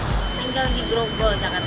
tinggal di groggol jakarta barat